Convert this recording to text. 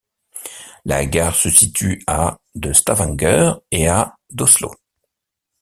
La gare se situe à de Stavanger et à d'Oslo.